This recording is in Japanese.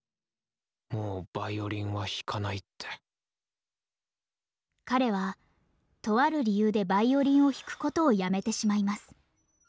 もうヴァイオリンは弾かないって彼はとある理由でヴァイオリンを弾くことをやめてしまいます。